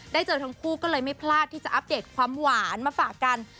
เจอทั้งคู่ก็เลยไม่พลาดที่จะอัปเดตความหวานมาฝากกัน